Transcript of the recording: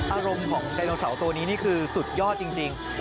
อารมณ์ของไดโนเสาร์ตัวนี้นี่คือสุดยอดจริง